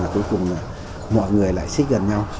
cuối cùng là mọi người lại xích gần nhau